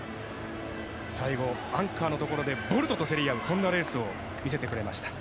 最後アンカーのところでボルトと競り合うレースを見せてくれました。